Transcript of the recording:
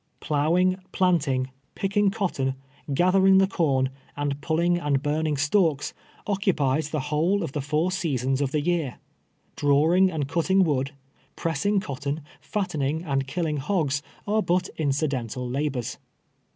Ploughing, planting, picking cotton, gathering the corn, and pulling and burning stalks, occupies the PRESERVING BACOX. 173 whole of the four seasons of the year. Drawing and cutting wood, pressing cotton, fattening and killing hogs, are but incidental labors.